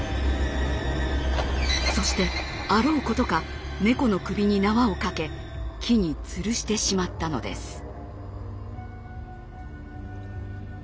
そしてあろうことか猫の首に縄をかけ木につるしてしまったのです。